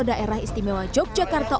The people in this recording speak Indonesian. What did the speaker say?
daerah istimewa yogyakarta